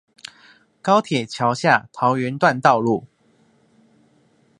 高鐵橋下桃園段道路